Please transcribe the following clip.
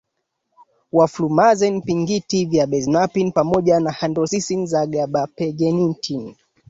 wa flumazenili pingiti vya benzodiazepini pamoja na haidrosizini na gabapentini